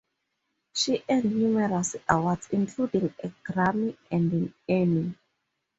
She earned numerous awards, including a Grammy and an Emmy.